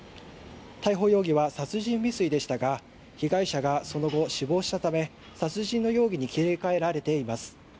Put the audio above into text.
容疑は殺人未遂でしたが被害者がその後、死亡したため殺人の容疑に切り替えられています。